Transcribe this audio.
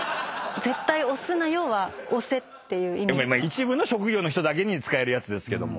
一部の職業の人だけに使えるやつですけども。